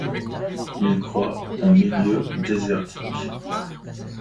Il croît en milieu désertique.